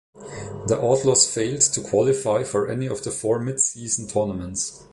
The Outlaws failed to qualify for any of the four midseason tournaments.